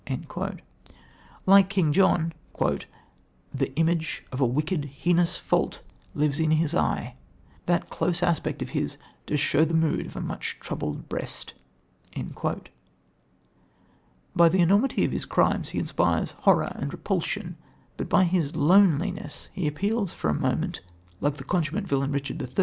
Like King John, "The image of a wicked heinous fault Lives in his eye: that close aspect of his Does show the mood of a much troubled breast." By the enormity of his crimes he inspires horror and repulsion, but by his loneliness he appeals, for a moment, like the consummate villain Richard III.